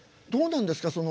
どうなんですか？